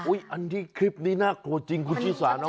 อันนี้คลิปนี้น่ากลัวจริงคุณชิสานะ